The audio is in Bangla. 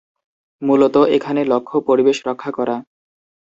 মূলত, এখানে লক্ষ্য পরিবেশ রক্ষা করা।